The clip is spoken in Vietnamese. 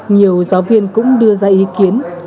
nhiều giáo viên cũng đưa ra ý kiến